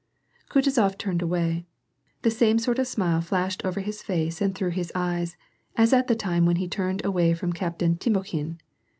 Kutuzof turned away. The same sort of smile flashed over his face and through his eyes as at the time when he turned away from Captain Timokhin.